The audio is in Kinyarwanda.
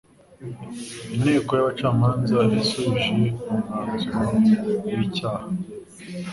Inteko y'abacamanza yasubije umwanzuro w'icyaha.